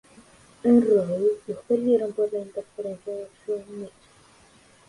En Raw los perdieron por la interferencia de Shawn Michaels.